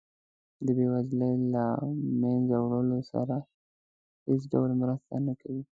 د بیوزلۍ د له مینځه وړلو سره هیڅ ډول مرسته نه کوي.